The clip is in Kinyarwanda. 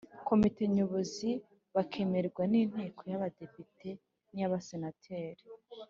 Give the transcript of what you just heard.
Komite Nyobozi bakemerwa ninteko yaba depite niyaba senateri